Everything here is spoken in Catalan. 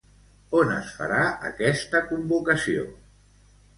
On es farà aquesta convocació?